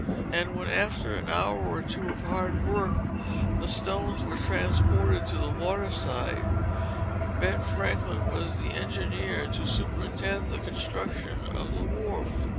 And when, after an hour or two of hard work, the stones were transported to the water side, Ben Franklin was the engineer, to superintend the construction of the wharf.